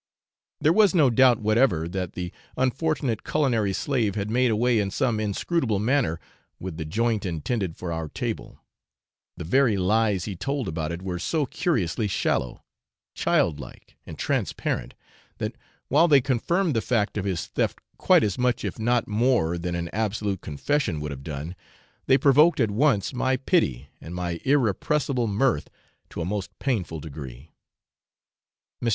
There was no doubt whatever that the unfortunate culinary slave had made away in some inscrutable manner with the joint intended for our table: the very lies he told about it were so curiously shallow, child like, and transparent, that while they confirmed the fact of his theft quite as much if not more than an absolute confession would have done, they provoked at once my pity and my irrepressible mirth to a most painful degree. Mr.